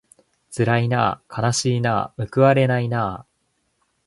つらいなあかなしいなあむくわれないなあ